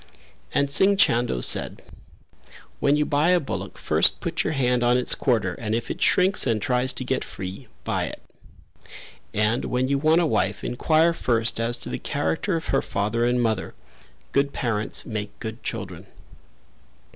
And Singh Chando said, "When you buy a bullock first put your hand on its quarter and if it shrinks and tries to get free, buy it; and when you want a wife enquire first as to the character of her father and mother; good parents make good children."